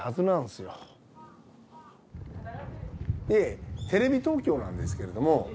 いえテレビ東京なんですけれども。